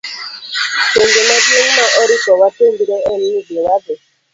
Penjo maduong' ma oripo wapenjre en ni be wadhi